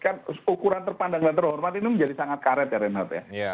kan ukuran terpandang dan terhormat ini menjadi sangat karet ya renat ya